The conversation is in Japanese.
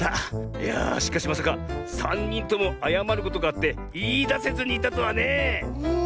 いやしかしまさかさんにんともあやまることがあっていいだせずにいたとはね。うん。